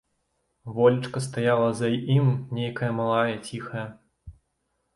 Волечка стаяла за ім нейкая малая, ціхая.